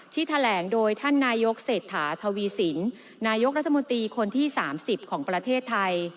แถลงโดยท่านนายกเศรษฐาทวีสินนายกรัฐมนตรีคนที่๓๐ของประเทศไทย